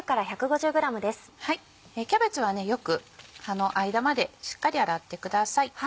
キャベツはよく葉の間までしっかり洗ってください。